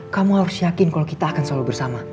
kamu harus yakin kalau kita akan selalu bersama